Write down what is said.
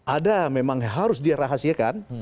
ada memang harus dirahasiakan